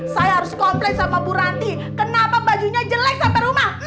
saya harus komplain sama bu ranti kenapa bajunya jelek sampai rumah